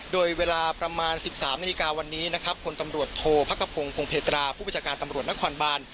โดยเวลาประมาณ๑๓นาฬิกาวันนี้คนตำรวจโทพกพงศ์พงเพตราผู้บัจการตำรวจนครบาน